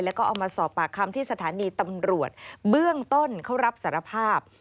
แล้วก็เอามาสอบปากคำที่สถานีตำรวจเบื้องต้นเขารับสารภาพ